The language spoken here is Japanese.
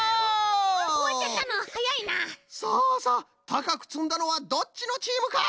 たかくつんだのはどっちのチームか！？